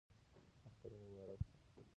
اختر مو مبارک شه